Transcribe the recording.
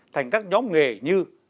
thành các nhóm nghề như